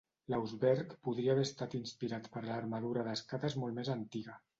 L'ausberg podria haver estat inspirat per l'armadura d'escates molt més antiga.